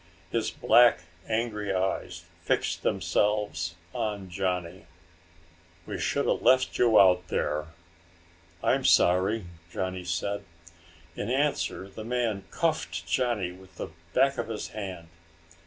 His black angry eyes fixed themselves on Johnny. "We should have left you out there." "I'm sorry," Johnny said. In answer the man cuffed Johnny with the back of his hand.